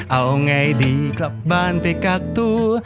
เอาไงดีกลับบ้านไปกักตัว